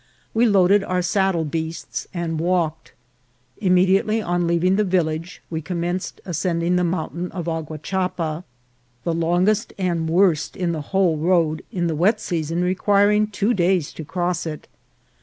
We loaded our saddle beasts and walked. Immediately on leaving the village we commenced ascending the mountain of Aguachapa, the longest and worst in the whole road, in the wet sea son requiring two days to cross it.